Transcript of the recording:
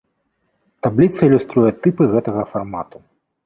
Табліца ілюструе тыпы гэтага фармату.